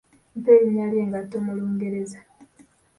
Mpa erinnya ly'engatto mu Lungereza?